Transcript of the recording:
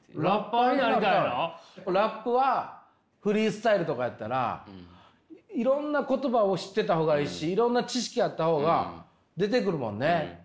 ラップはフリースタイルとかやったらいろんな言葉を知ってた方がいいしいろんな知識あった方が出てくるもんね。